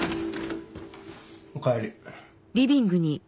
おかえり。